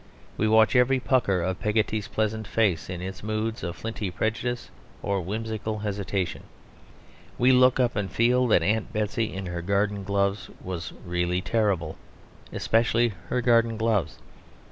We watch every pucker of Peggotty's peasant face in its moods of flinty prejudice or whimsical hesitation. We look up and feel that Aunt Betsey in her garden gloves was really terrible especially her garden gloves.